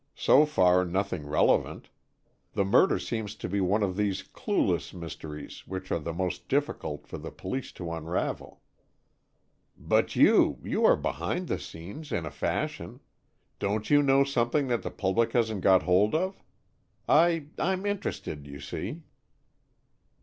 So far, nothing relevant. The murder seems to be one of these clueless mysteries which are the most difficult for the police to unravel." "But you, you are behind the scenes, in a fashion. Don't you know something that the public hasn't got hold of? I I'm interested, you see."